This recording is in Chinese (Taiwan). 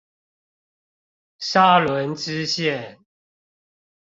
沙崙支線